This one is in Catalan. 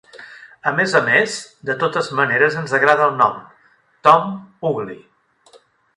A més a més, de totes maneres ens agrada el nom, Tom Ugly.